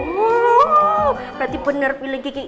berarti bener pilih kiki